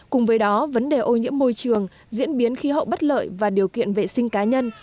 cùng với đó vấn đề ô nhiễm môi trường diễn biến khí hậu bất lợi và điều kiện vệ sinh cá nhân